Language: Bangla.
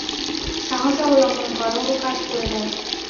সাহস অবলম্বন কর ও কাজ করে যাও।